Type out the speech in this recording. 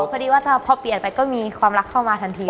พอดีว่าพอเปลี่ยนไปก็มีความรักเข้ามาทันที